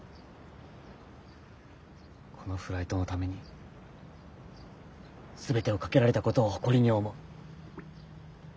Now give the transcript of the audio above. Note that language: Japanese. このフライトのために全てを懸けられたことを誇りに思う。